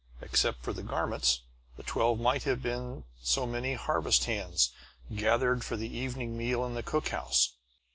Except for the garments, the twelve might have been so many harvest hands, gathered for the evening meal in the cook house.